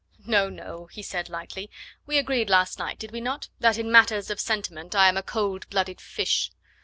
"No! no!" he said lightly, "we agreed last night, did we not? that in matters of sentiment I am a cold blooded fish.